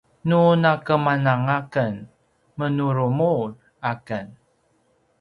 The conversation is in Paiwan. nu nakemananga aken menurumur aken